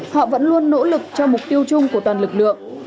họ vẫn luôn nỗ lực cho mục tiêu chung của toàn lực lượng